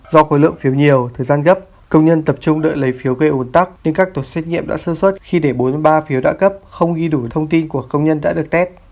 do khối lượng phiếu nhiều thời gian gấp công nhân tập trung đợi lấy phiếu gây ủn tắc nhưng các tổ xét nghiệm đã sơ xuất khi để bốn mươi ba phiếu đã cấp không ghi đủ thông tin của công nhân đã được test